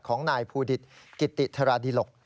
ของนายภูดิตกิติธราดิหลก